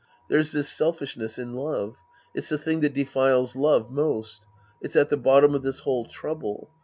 There's this selfislmess in love. It's the thing that defiles love most. It's at the bottom of this whole trouble.